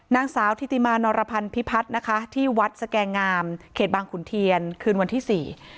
นางสาวธิติมานรพันธ์พิพัฒน์นะคะที่วัดสแกงามเขตบางขุนเทียนคืนวันที่สี่